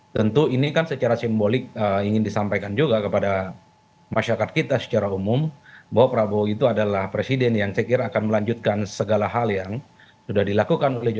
tentu ini kan secara simbolik ingin disampaikan juga kepada masyarakat kita secara umum bahwa prabowo itu adalah presiden yang saya kira akan melanjutkan segala hal yang sudah dilakukan oleh jokowi